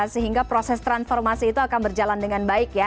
sehingga proses transformasi itu akan berjalan dengan baik ya